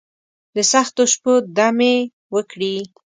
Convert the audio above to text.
دسختو شپو، دمې وکړي